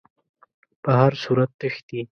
په هر صورت تښتي.